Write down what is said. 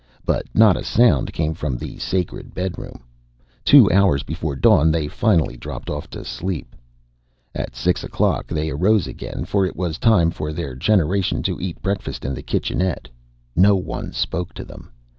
But not a sound came from the sacred bedroom. Two hours before dawn, they finally dropped off to sleep. At six o'clock, they arose again, for it was time for their generation to eat breakfast in the kitchenette. No one spoke to them.